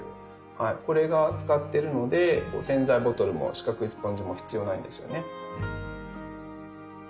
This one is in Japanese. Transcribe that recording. これが使ってるので洗剤ボトルも四角いスポンジも必要ないんですよね。